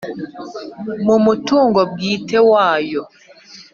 mu mutungo bwite wayo